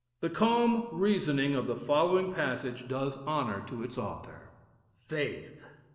The calm reasoning of the following passage does honor to its author: Faith.